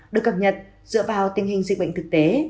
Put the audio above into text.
được cập nhật dựa vào tình hình dịch bệnh thực tế